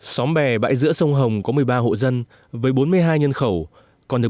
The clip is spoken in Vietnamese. xóm bè bãi giữa sông hồng có một mươi ba hộ dân với bốn mươi hai nhân khẩu